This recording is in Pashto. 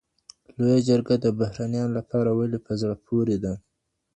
لویه جرګه د بهرنیانو لپاره ولي په زړه پوري ده؟